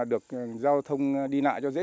được giao thông đi lại cho dễ dàng và thống suốt